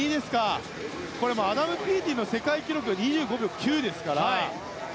アダム・ピーティの世界記録は２５秒９ですから。